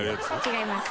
違います。